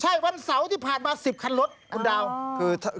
ใช่วันเสาร์ที่ผ่านมา๑๐คันรถคุณดาวคือ